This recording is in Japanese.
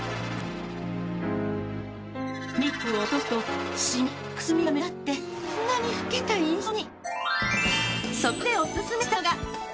メイクを落とすとシミ・くすみが目立ってこんなに老けた印象に。